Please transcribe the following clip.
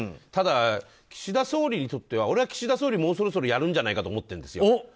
ただ、岸田総理にとっては俺は岸田総理、もうそろそろやるんじゃないかと思っているんですよ。